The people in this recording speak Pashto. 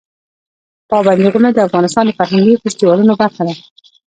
پابندی غرونه د افغانستان د فرهنګي فستیوالونو برخه ده.